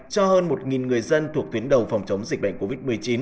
cho hơn một người dân thuộc tuyến đầu phòng chống dịch bệnh covid một mươi chín